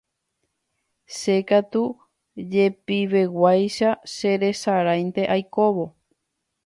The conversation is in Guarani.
Che katu jepiveguáicha cheresaráinte aikóvo.